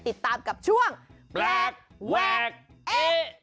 ติดตามกับช่วงแปลกแวกเอ๊ะ